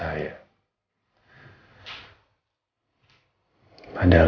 padahal saya sudah meminta maaf